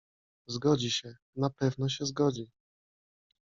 Zgodzi się, na pewno się zgodzi.